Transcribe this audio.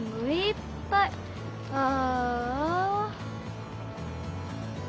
ああ。